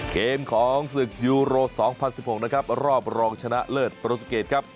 เกมของศึกยูโร๒๐๑๖นะครับรอบรองชนะเลิศโปรตุเกตครับ